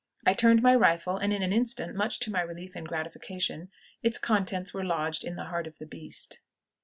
I turned my rifle, and in an instant, much to my relief and gratification, its contents were lodged in the heart of the beast.